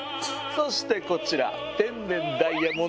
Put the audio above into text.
そしてこちら。